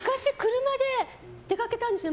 私、昔、車で出かけたんですよ。